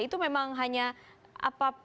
itu memang hanya apa